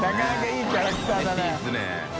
いいですね。